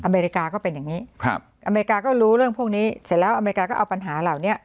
อเมริกาก็เป็นอย่างนี้ครับอเมริกาก็รู้เรื่องพวกนี้เสร็จแล้วอเมริกาก็เอาปัญหาเหล่านี้